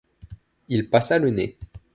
Il passa le nez.